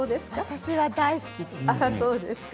私は大好きです。